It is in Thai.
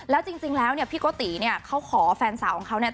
แล้วจริงแล้วพี่โกติเขาขอแฟนสาวของเขาเนี่ย